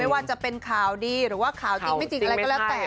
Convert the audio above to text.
ว่าจะเป็นข่าวดีหรือว่าข่าวจริงไม่จริงอะไรก็แล้วแต่